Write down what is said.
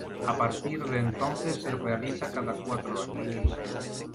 A partir de entonces se realiza cada cuatro años.